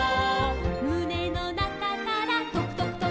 「むねのなかからとくとくとく」